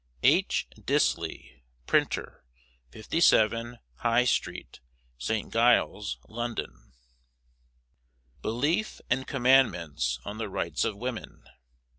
H. Disley, Printer, 57, High Street, St. Giles, London. BELIEF AND COMMANDMENTS ON THE RIGHTS OF WOMEN.